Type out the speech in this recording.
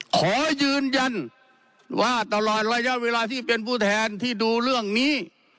ขอยืนยันว่าตลอดระยะเวลาที่เป็นผู้แทนที่ดูเรื่องนี้